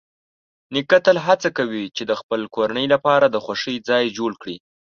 نیکه تل هڅه کوي چې د خپل کورنۍ لپاره د خوښۍ ځای جوړ کړي.